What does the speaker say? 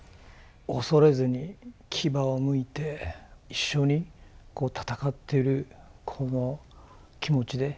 恐れずに牙をむいて一緒に戦ってるこの気持ちで。